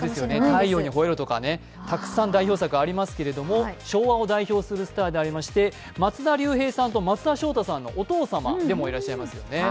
「太陽にほえろ！」とかたくさん代表作ありますが昭和を代表するスターでありました、松田龍平さんと松田翔太さんのお父様でもいらっしゃいますよね。